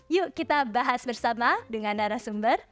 yuk kita bahas bersama dengan narasumber